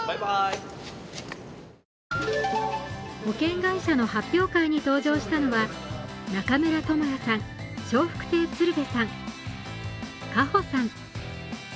保険会社の発表会に登場したのは、中村倫也さん、笑福亭鶴瓶さん、夏帆さん。